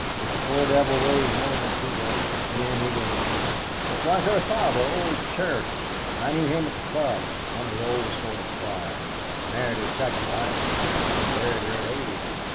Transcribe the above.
If the poor devil weighs more than she does, in he goes." "That's like her father, old Cheriton. I knew him at the club one of the old sort of squires; married his second wife at sixty and buried her at eighty.